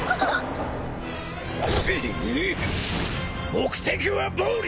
目的は暴力！